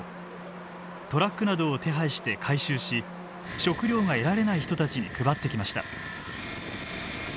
トラックなどを手配して回収し食料が得られない人たちに配ってきました。